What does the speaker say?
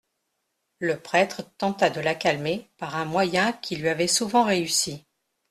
Le prêtre tenta de la calmer par un moyen qui lui avait souvent réussi.